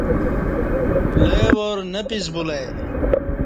لے وار نہ پِس بُلہ ای